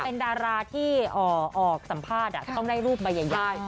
เป็นดาราที่ออกสัมภาษณ์จะต้องได้รูปใบใหญ่